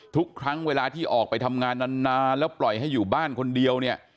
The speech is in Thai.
ทุกครั้งเวลาที่ออกไปทำงานนานแล้วปล่อยให้อยู่บ้านคนเดียวเนี่ย